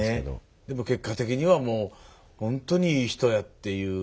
でも結果的にはもうほんとにいい人やっていう。